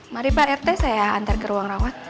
mari pak rt saya antar ke ruang rawat